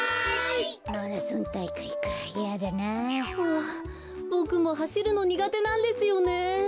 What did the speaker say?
あボクもはしるのにがてなんですよね。